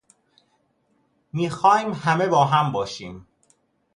میخوایم همه باهم باشیم